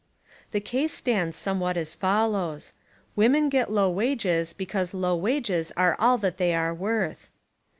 The case stands somewhat as follows: Women get low wages because low wages are all that they are worth.